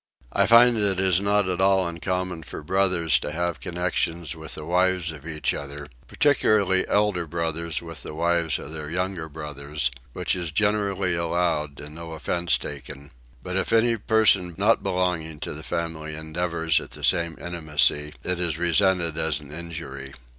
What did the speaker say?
I find it is not at all uncommon for brothers to have connection with the wives of each other, particularly elder brothers with the wives of their younger brothers, which is generally allowed and no offence taken: but if any person not belonging to the family endeavours at the same intimacy it is resented as an injury.